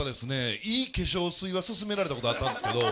いい化粧水は勧められたことはあったんですけど。